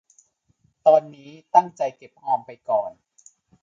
ตอนนี้ตั้งใจเก็บออมไปก่อน